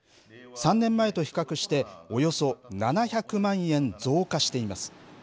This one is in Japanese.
３年前と比較して、およそ７００万円増加しています。